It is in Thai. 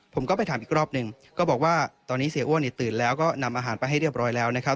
ผมก็ไปถามอีกรอบหนึ่งก็บอกว่าตอนนี้เสียอ้วนเนี่ยตื่นแล้วก็นำอาหารไปให้เรียบร้อยแล้วนะครับ